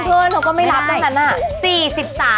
เพื่อนเขาก็ไม่รับทั้งนั้นน่ะ